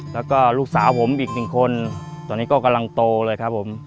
แล้วก็ลูกสาวผมอีกหนึ่งคนตอนนี้ก็กำลังโตเลยครับผม